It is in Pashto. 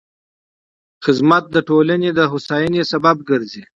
خدمت د ټولنې د هوساینې سبب ګرځي.